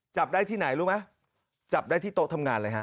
จับได้ที่ไหนรู้ไหมจับได้ที่โต๊ะทำงานเลยฮะ